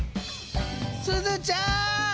すずちゃん。